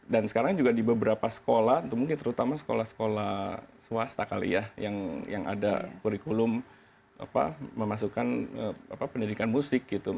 sekarang juga di beberapa sekolah mungkin terutama sekolah sekolah swasta kali ya yang ada kurikulum memasukkan pendidikan musik gitu